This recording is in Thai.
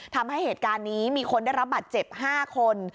ทำให้เหตุการณ์นี้มีคนได้รับบัตรเจ็บ๕คน